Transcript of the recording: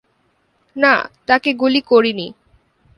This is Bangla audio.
না, তাকে গুলি করিনি।